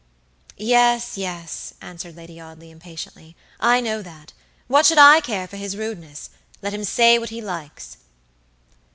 "Yes, yes," answered Lady Audley, impatiently, "I know that. What should I care for his rudeness! Let him say what he likes."